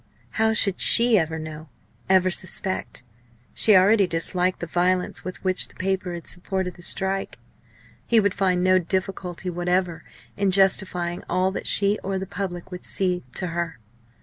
How should she ever know, ever suspect! She already disliked the violence with which the paper had supported the strike. He would find no difficulty whatever in justifying all that she or the public would see, to her.